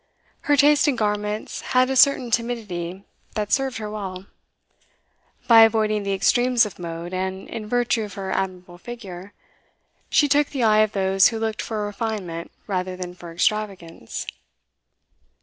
Her taste in garments had a certain timidity that served her well; by avoiding the extremes of mode, and in virtue of her admirable figure, she took the eye of those who looked for refinement rather than for extravagance.